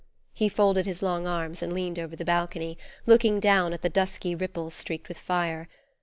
He folded his long arms and leaned over the balcony, looking down at the dusky ripples streaked with fire.